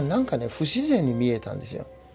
不自然に見えたんですよ。